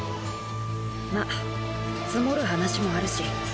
まっ積もる話もあるし